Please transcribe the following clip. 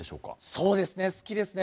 そうですね好きですね。